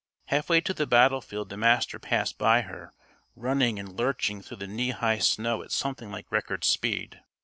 Halfway to the battlefield the Master passed by her, running and lurching through the knee high snow at something like record speed.